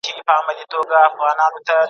نجونې په لوړو زده کړو کې فعاله ونډه اخلي.